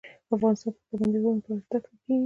افغانستان کې د پابندی غرونه په اړه زده کړه کېږي.